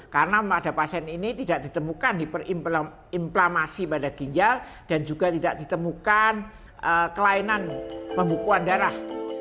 karena pada pasien ini tidak ditemukan hiperimplomasi pada ginjal dan juga tidak ditemukan kelainan pembukuan darah